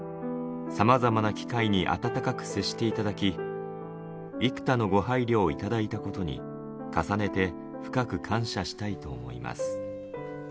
さまざまな機会に温かく接していただき、幾多のご配慮を頂いたことに、重ねて深く感謝したいと思います。